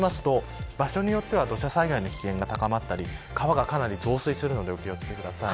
これくらい降りますと場所によっては、土砂災害の危険が高まったり、川がかなり増水するのでお気を付けください。